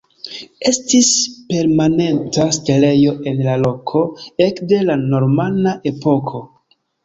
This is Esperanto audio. Estis permanenta setlejo en la loko ekde la normana epoko.